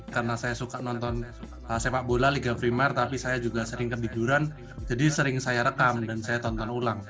karena saya suka menonton sepakbola liga frimar tapi saya juga sering tiduran jadi sering saya rekam dan saya tonton ulang